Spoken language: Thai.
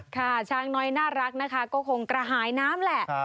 ค่ะช้างน้อยน่ารักนะคะก็คงกระหายน้ำแหละ